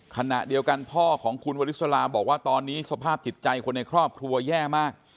ขณะเดียวกันพ่อของคุณวริสลาบอกว่าตอนนี้สภาพจิตใจคนในครอบครัวแย่มาก